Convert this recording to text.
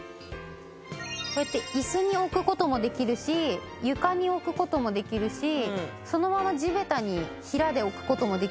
こうやって椅子に置く事もできるし床に置く事もできるしそのまま地べたに平で置く事もできるし。